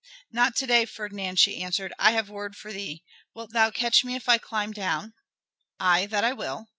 "Not to day, Ferdinand," she answered. "I have word for thee. Wilt catch me if I climb down?" "Aye, that I will."